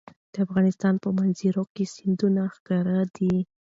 د افغانستان په منظره کې سیندونه ښکاره ده.